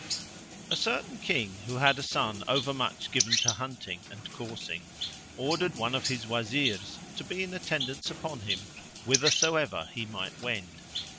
A certain King, who had a son over much given to hunting and coursing, ordered one of his Wazirs to be in attendance upon him whithersoever he might wend.